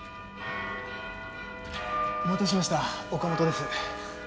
お待たせしました岡本です。